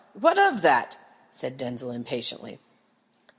What of that?" said Denzil impatiently.